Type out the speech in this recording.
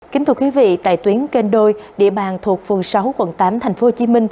kính thưa quý vị tại tuyến kênh đôi địa bàn thuộc phường sáu quận tám tp hcm